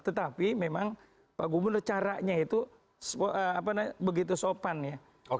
tetapi memang pak gubernur caranya itu begitu sopan ya